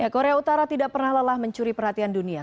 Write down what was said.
korea utara tidak pernah lelah mencuri perhatian dunia